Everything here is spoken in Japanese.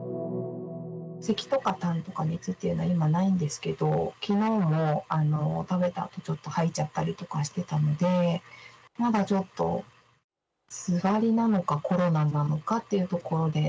せきとかたんとか熱っていうのは、今ないんですけど、きのうも食べたあとちょっと吐いちゃったりとかしてたので、まだちょっと、つわりなのかコロナなのかっていうところで。